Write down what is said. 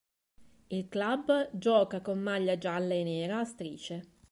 Il club gioca con maglia gialla e nera a strisce.